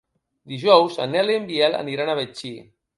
Dijous en Nel i en Biel aniran a Betxí.